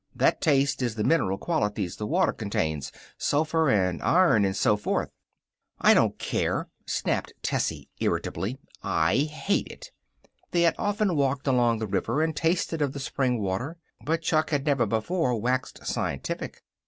"That taste is the mineral qualities the water contains sulphur and iron and so forth." "I don't care," snapped Tessie irritably. "I hate it!" They had often walked along the river and tasted of the spring water, but Chuck had never before waxed scientific.